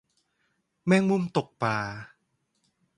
แมงมุมตกปลา